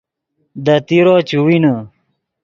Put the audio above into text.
دے تیرو چے وینے